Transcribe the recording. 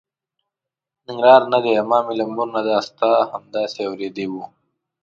ننګرهار نه دی، ما مې له مور نه دا ستا همداسې اورېدې وه.